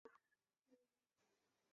最简单的累积二烯烃是丙二烯。